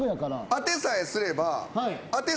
当てさえすれば。